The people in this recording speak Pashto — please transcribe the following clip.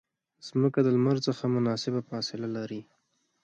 مځکه د لمر څخه مناسبه فاصله لري.